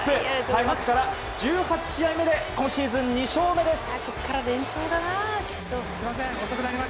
開幕から１８試合まで今シーズン２勝目です。